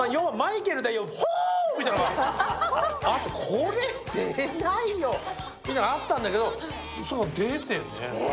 これ出ないよっていうのがあったんだけど、出てね。